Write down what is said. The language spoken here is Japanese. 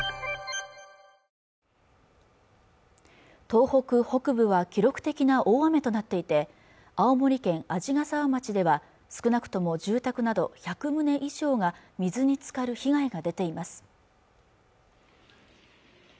東北北部は記録的な大雨となっていて青森県鰺ヶ沢町では少なくとも住宅など１００棟以上が水につかる被害が出ています